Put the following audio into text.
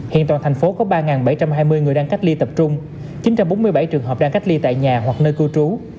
hiện toàn thành phố có ba bảy trăm hai mươi người đang cách ly tập trung chín trăm bốn mươi bảy trường hợp đang cách ly tại nhà hoặc nơi cư trú